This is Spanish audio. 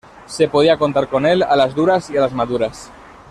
Se podía contar con él a las duras y a las maduras